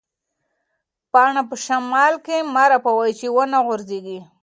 پاڼه په شمال کې مه رپوئ چې ونه غوځېږي.